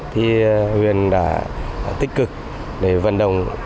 thì huyền đã tích cực để vận động